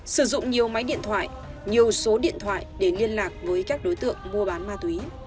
sử dụng nhiều máy điện thoại nhiều số điện thoại để liên lạc với các đối tượng mua bán ma túy